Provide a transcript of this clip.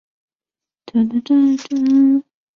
趣味野外竞赛。